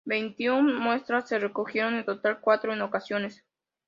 Veintiún muestras se recogieron en total cuatro en ocasiones.